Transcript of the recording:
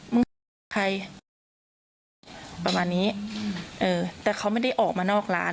คุยกับใครประมาณนี้เออแต่เขาไม่ได้ออกมานอกร้าน